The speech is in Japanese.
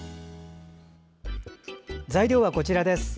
材料はこちらです。